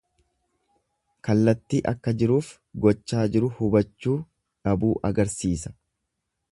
Kallatti akka jiruuf, gochaa jiru hubachuu dhabuu agarsiisa.